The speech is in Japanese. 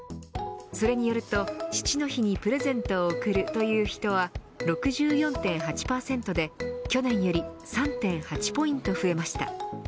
それによると父の日にプレゼントを贈るという人は６４．８％で去年より３．８ポイント増えました。